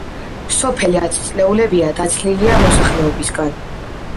სოფელი ათწლეულებია, დაცლილია მოსახლეობისგან.